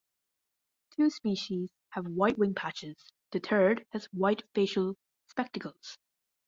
Two species have white wing patches, the third has white facial "spectacles".